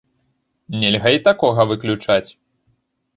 Нельга і такога выключаць.